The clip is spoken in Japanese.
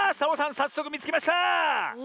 さっそくみつけました！え？